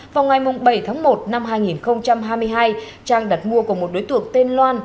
vào ngày bảy tháng một năm hai nghìn hai mươi hai trang đặt mua của một đối tượng tên loan